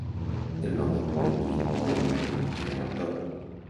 El nou d'octubre en Guiu i en Maria iran al Toro.